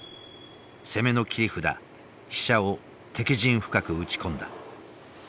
攻めの切り札飛車を敵陣深く打ち込んだ。